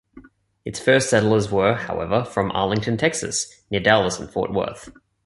Its first settlers were, however, from Arlington, Texas, near Dallas and Fort Worth.